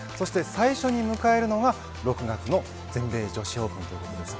最初に迎えるのが６月の全米女子オープンです。